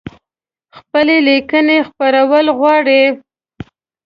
خپلي لیکنۍ خپرول غواړی؟